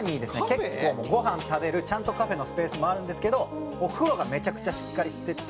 結構もうごはん食べるちゃんとカフェのスペースもあるんですけどお風呂がめちゃくちゃしっかりしてて」